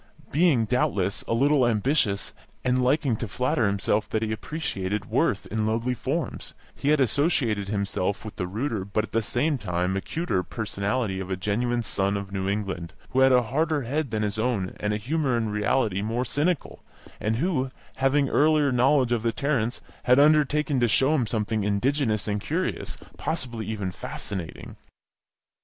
Being, doubtless, a little ambitious, and liking to flatter himself that he appreciated worth in lowly forms, he had associated himself with the ruder but at the same time acuter personality of a genuine son of New England, who had a harder head than his own and a humour in reality more cynical, and who, having earlier knowledge of the Tarrants, had undertaken to show him something indigenous and curious, possibly even fascinating.